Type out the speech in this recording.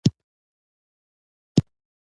زه دې په انتظار مړ کړم.